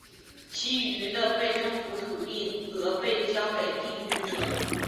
其余的被征服土地则被交给定居者。